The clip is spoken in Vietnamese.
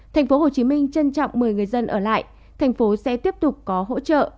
thành phố hồ chí minh trân trọng mời người dân ở lại thành phố sẽ tiếp tục có hỗ trợ